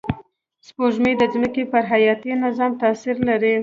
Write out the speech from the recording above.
سپوږمۍ د ځمکې پر حیاتي نظام تأثیر لري